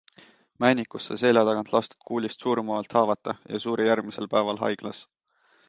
Männikus sai selja tagant lastud kuulist surmavalt haavata ja suri järgmisel päeval haiglas.